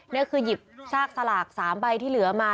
นี่คือหยิบซากสลาก๓ใบที่เหลือมา